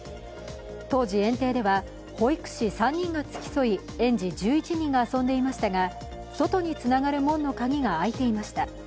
当時、園庭では保育士３人が付き添い園児１１人が遊んでいましたが外につながる門の鍵が開いていました。